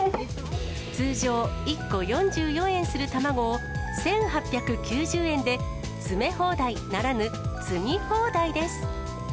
通常、１個４４円する卵を、１８９０円で、詰め放題ならぬ、積み放題です。